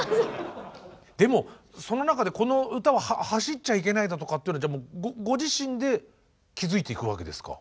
でもその中でこの歌は走っちゃいけないだとかっていうのはご自身で気付いていくわけですか？